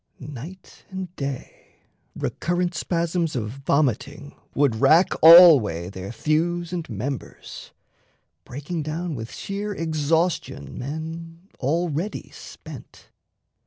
Night and day, Recurrent spasms of vomiting would rack Alway their thews and members, breaking down With sheer exhaustion men already spent.